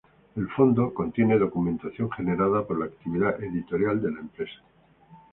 El fondo contiene documentación generada por la actividad editorial de la empresa.